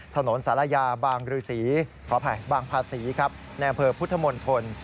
ถนนสาระยาบางภาษีแนวอำเภอพุทธมณฑล